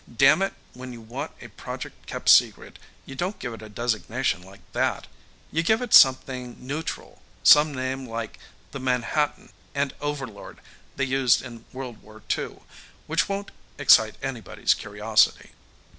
Damn it, when you want a project kept secret, you don't give it a designation like that! You give it something neutral, some name like the Manhattan and Overlord they used in World War II, which won't excite anybody's curiosity.